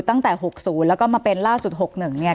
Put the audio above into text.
ตั้งแต่หกศูนย์มาเป็นร่าสุดหกหนึ่งเนี่ย